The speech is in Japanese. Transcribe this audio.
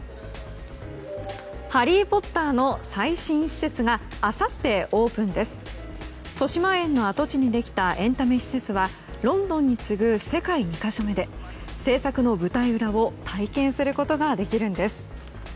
「ハリー・ポッター」の最新施設があさってオープンです。としまえんの跡地にできたエンタメ施設はロンドンに次ぐ世界２か所目で制作の舞台裏を体験することができるんです。